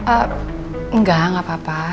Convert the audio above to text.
ehm enggak gak apa apa